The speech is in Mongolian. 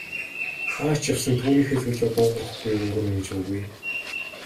Хаа ч явсан түүнийхээ төлөө дуугарахгүй өнгөрнө гэж үгүй.